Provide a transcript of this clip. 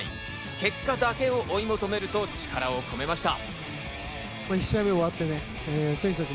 結果だけを追い求めると力を込めました。